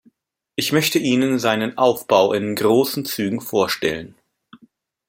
Ich möchte Ihnen seinen Aufbau in großen Zügen vorstellen.